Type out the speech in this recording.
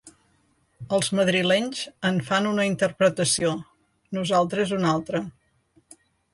Els madrilenys en fan una interpretació, nosaltres una altra.